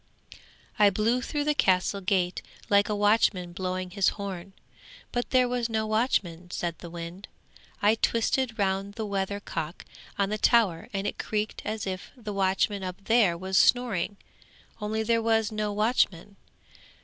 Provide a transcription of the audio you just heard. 'I blew through the castle gate like a watchman blowing his horn, but there was no watchman,' said the wind. 'I twisted round the weather cock on the tower and it creaked as if the watchman up there was snoring, only there was no watchman.